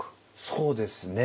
そうですね。